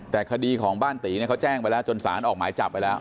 แต่คดีของบ้านตีเนี่ยเขาแจ้งไปแล้วจนสารออกหมายจับไปแล้ว